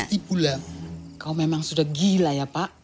pasti pula kau memang sudah gila ya pak